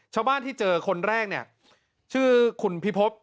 ชาวบ้านที่เจอคนแรกเนี่ยชื่อคุณพิพบ